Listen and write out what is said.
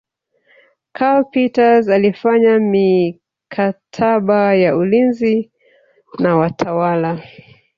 Karl Peters alifanya mikataba ya ulinzi na watawala